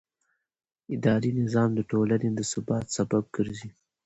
اداري نظام د ټولنې د ثبات سبب ګرځي.